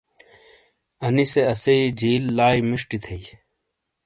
انی سے اسی جیل لائی مݜٹی تھیی۔